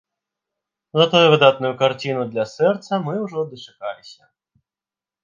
Затое выдатную карціну для сэрца мы ўжо дачакаліся.